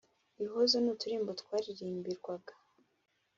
ibihozo ni uturirimbo twaririmbirwaga